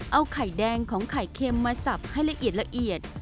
เอาไข่แดงของไข่เค็มมาสับให้ละเอียด